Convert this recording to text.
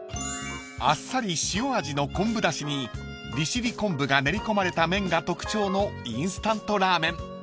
［あっさり塩味の昆布だしに利尻昆布が練り込まれた麺が特徴のインスタントラーメン］